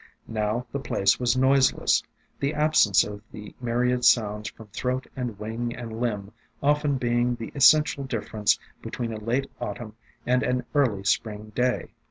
Now the place was noiseless, the absence of 330 AFTERMATH the myriad sounds from throat and wing and limb often being the essential difference between a late Autumn and an early Spring day.